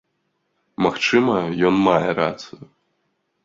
Магчыма, ён мае рацыю.